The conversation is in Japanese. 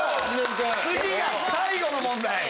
次が最後の問題！